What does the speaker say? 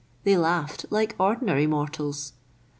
They laughed like ordinary mortals.